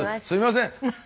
すいません。